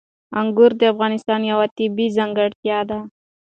انګور د افغانستان یوه طبیعي ځانګړتیا ده.